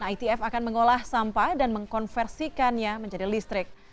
itf akan mengolah sampah dan mengkonversikannya menjadi listrik